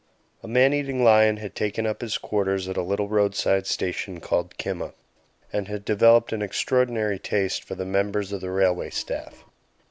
A man eating lion had taken up his quarters at a little roadside station called Kimaa, and had developed an extraordinary taste for the members of the railway staff.